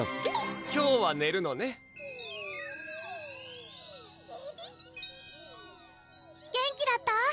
今日はねるのねピピピー元気だった？